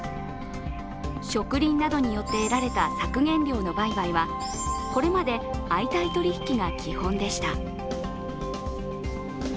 植林などによって得られた削減量の売買はこれまで相対取引が基本でした。